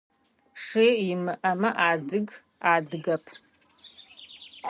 Шы имыӏэмэ адыг – адыгэп.